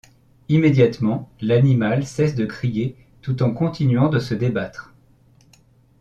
Immédiatement l'animal cesse de crier tout en continuant à se débattre.